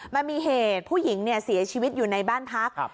มันมีเหตุผู้หญิงเสียชีวิตอยู่ในบ้านพัก